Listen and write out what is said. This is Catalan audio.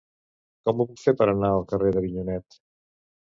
Com ho puc fer per anar al carrer d'Avinyonet?